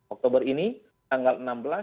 oktober ini tanggal enam belas